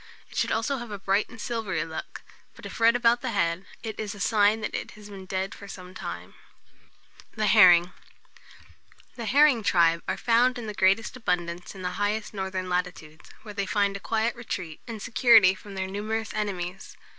It should also have a bright and silvery look; but if red about the head, it is a sign that it has been dead for some time. [Illustration: THE HERRING.] THE HERRING. The herring tribe are found in the greatest abundance in the highest northern latitudes, where they find a quiet retreat, and security from their numerous enemies.